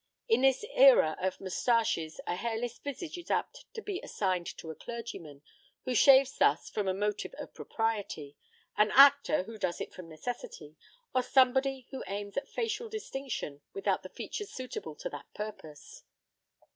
In this era of mustaches a hairless visage is apt to be assigned to a clergyman, who shaves thus from a motive of propriety; an actor, who does it from necessity; or somebody who aims at facial distinction without the features suitable to that purpose.